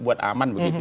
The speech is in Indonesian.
buat aman begitu